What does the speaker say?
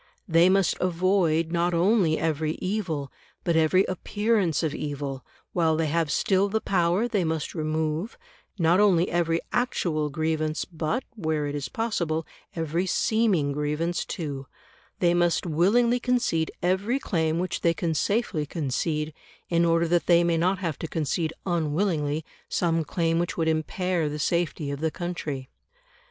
They must avoid, not only every evil, but every appearance of evil; while they have still the power they must remove, not only every actual grievance, but, where it is possible, every seeming grievance too; they must willingly concede every claim which they can safely concede, in order that they may not have to concede unwillingly some claim which would impair the safety of the country.